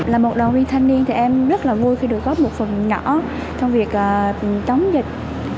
là một đoàn viên thanh niên thì em rất là vui khi được góp một phần nhỏ trong việc chống dịch